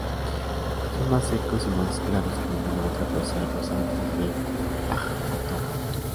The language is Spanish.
Son más secos y más claros que ninguna otra poesía rusa antes de Ajmátova.